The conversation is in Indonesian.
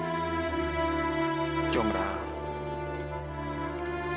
aku ingin berjumpa denganmu